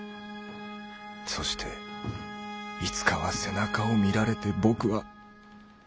そしていつかは背中を見られて僕は。